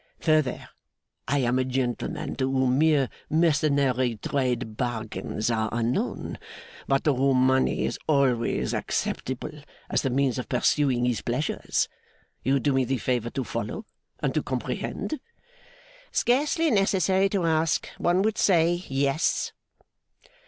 'Further, I am a gentleman to whom mere mercenary trade bargains are unknown, but to whom money is always acceptable as the means of pursuing his pleasures. You do me the favour to follow, and to comprehend?' 'Scarcely necessary to ask, one would say. Yes.